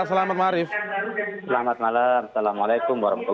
selamat malam pak